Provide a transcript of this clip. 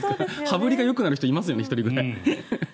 羽振りがよくなる人いますよね１人ぐらい。